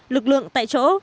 lực lượng tại chỗ